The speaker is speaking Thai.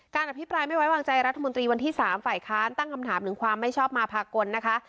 อภิปรายไม่ไว้วางใจรัฐมนตรีวันที่๓ฝ่ายค้านตั้งคำถามถึงความไม่ชอบมาภากลนะคะ